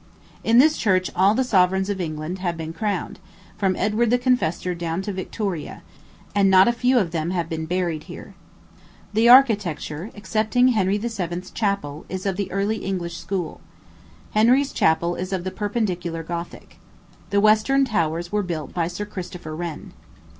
In this church all the sovereigns of England have been crowned, from Edward the Confessor down to Victoria; and not a few of them have been buried here. The architecture, excepting Henry VII.'s Chapel; is of the early English school. Henry's chapel is of the perpendicular Gothic. The western towers were built by Sir Christopher Wren.